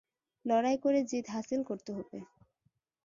লড়াই করে জিত হাসিল করতে হবে!